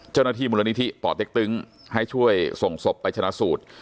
เจ้าหน้าที่มูลนิธิป่อเต็กตึงให้ช่วยส่งศพไปชนะสูตร